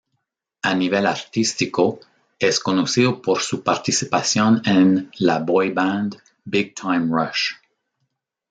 A nivel artístico es conocido por su participación en la boyband Big Time Rush.